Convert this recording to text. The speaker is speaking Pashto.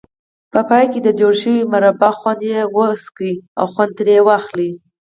په پای کې د جوړې شوې مربا خوند وڅکئ او خوند ترې واخلئ.